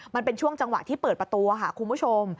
มันเป็นช่วงจังหวะที่เปิดประตูค่ะคุณผู้ชม